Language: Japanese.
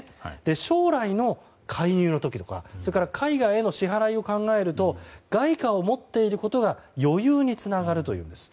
将来の介入の時とか、それから海外への支払いを考えると外貨を持っていることが余裕につながるというんです。